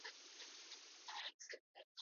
Naogopa ng'ombe mkubwa sana.